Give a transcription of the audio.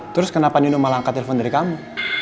terus kenapa nino malah angkat telpon dari kamu